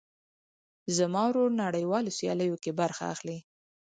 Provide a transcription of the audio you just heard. زما ورور نړيوالو سیاليو کې برخه اخلي.